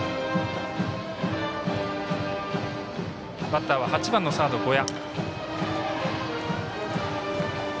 バッターは８番サード呉屋。